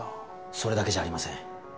それだけじゃありません。